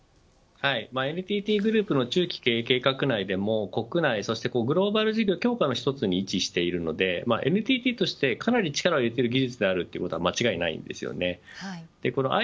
ＮＴＴグループの中期経営計画内でも国内そしてグローバル事業効果の１つに位置しているのでＮＴＴとして、かなり力を入れている技術です。